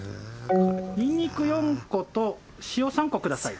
にんにく４個と塩３個ください。